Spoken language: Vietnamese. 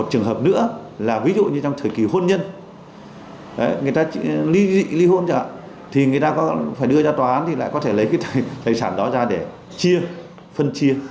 thì người ta có phải đưa ra tòa án thì lại có thể lấy cái tài sản đó ra để chia phân chia